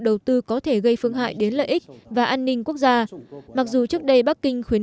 đầu tư có thể gây phương hại đến lợi ích và an ninh quốc gia mặc dù trước đây bắc kinh khuyến